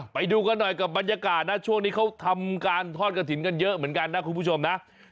ไปดูกันหน่อยกับบรรยากาศนะช่วงนี้เขาทำการทอดกระถิ่นกันเยอะเหมือนกันนะคุณผู้ชมนะ